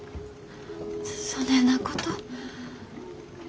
そねえなこと。